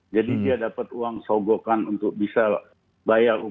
jadi dia dapat uang sogokan untuk bisa bayar uang